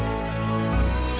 iya ustazah suntik doang